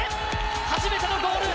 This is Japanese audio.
初めてのゴール！